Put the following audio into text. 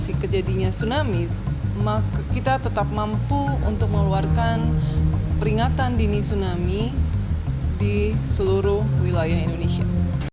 kita masih kejadinya tsunami kita tetap mampu untuk meluarkan peringatan dini tsunami di seluruh wilayah indonesia